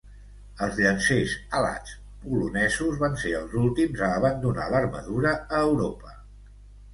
Els llancers "alats" polonesos van ser els últims a abandonar l'armadura a Europa.